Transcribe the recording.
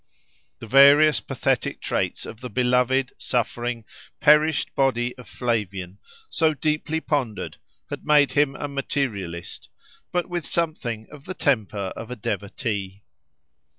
The various pathetic traits of the beloved, suffering, perished body of Flavian, so deeply pondered, had made him a materialist, but with something of the temper of a devotee.